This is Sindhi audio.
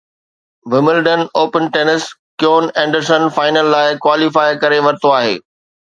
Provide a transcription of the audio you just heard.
Wimbledon open tennis Kevin Anderson final لاءِ ڪواليفائي ڪري ورتو آهي